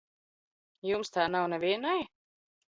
Jums tā nav nevienai?